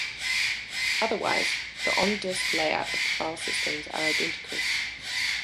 Otherwise, the on-disk layout of the filesystems are identical.